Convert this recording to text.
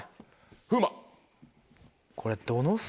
風磨。